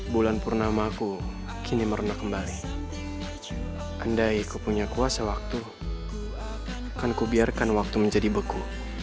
bulan purnamaku kini merenuh kembali andai kupunya kuasa waktu akan ku biarkan waktu menjadi beku